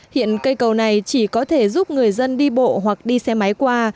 hiện cây cầu này chỉ có thể giúp người dân đi bộ hoặc đi xe máy qua